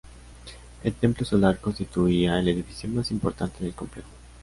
El templo solar constituía el edificio más importante del complejo.